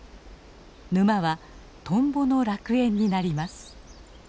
沼はトンボの楽園になります。